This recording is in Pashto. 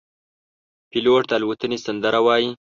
پیلوټ د الوتنې سندره وايي.